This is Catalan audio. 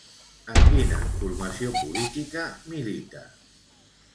En quina formació política milita?